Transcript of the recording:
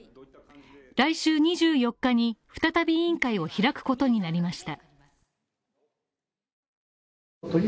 来週２４日に再び委員会を開くことになりました。